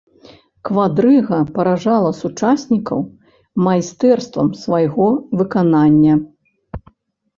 Квадрыга паражала сучаснікаў майстэрствам свайго выканання.